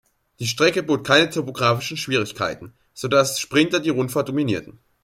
Die Strecke bot keine topografischen Schwierigkeiten, so dass Sprinter die Rundfahrt dominierten.